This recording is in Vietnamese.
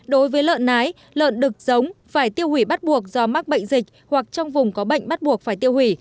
đối với lợn nái lợn đực giống phải tiêu hủy bắt buộc do mắc bệnh dịch hoặc trong vùng có bệnh bắt buộc phải tiêu hủy